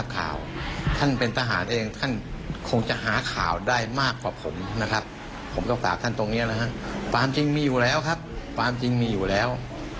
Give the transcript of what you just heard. ความจริงมีอยู่แล้วครับความจริงมีอยู่แล้ว